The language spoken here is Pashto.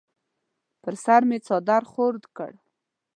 پر سر مې څادر خور کړ.